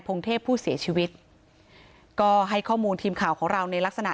งเทพผู้เสียชีวิตก็ให้ข้อมูลทีมข่าวของเราในลักษณะ